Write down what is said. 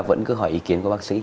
vẫn cứ hỏi ý kiến của bác sĩ